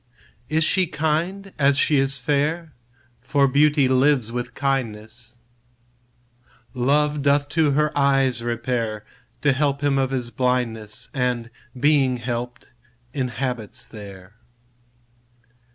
Is she kind as she is fair? For beauty lives with kindness: Love doth to her eyes repair, To help him of his blindness; And, being help'd, inhabits there.